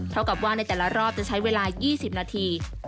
เท่ากับว่าในแต่ละรอบจะใช้เวลา๒๐นาที